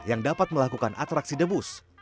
yang dapat melakukan atraksi debus